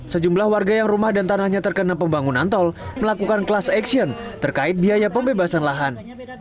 sejumlah warga yang rumah dan tanahnya terkena pembangunan tol melakukan class action terkait biaya pembebasan lahan